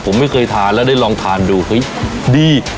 ผมไม่เคยทานแล้วได้ลองทานดูเฮ้ยดี